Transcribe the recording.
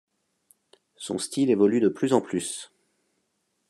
Son style évolue de plus en plus.